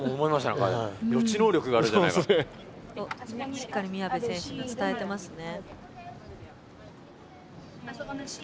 しっかり宮部選手につたえてますね。